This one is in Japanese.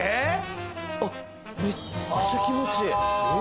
めっちゃ気持ちいい。